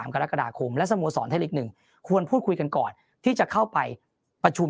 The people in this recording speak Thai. กรกฎาคมและสโมสรไทยลีก๑ควรพูดคุยกันก่อนที่จะเข้าไปประชุม